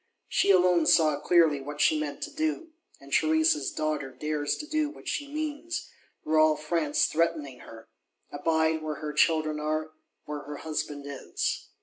She alone saw clearly what she meant to do; and Theresa's Daughter dares do what she means, were all France threatening her: abide where her children are, where her husband is.